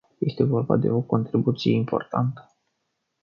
Este vorba de o contribuție importantă.